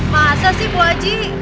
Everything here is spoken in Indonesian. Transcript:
masa sih bu aji